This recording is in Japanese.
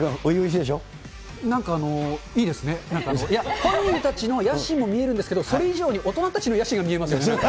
なんか、いいですね、なんか、本人たちの野心も見えるんですけど、それ以上に大人たちの野心が見えますよね。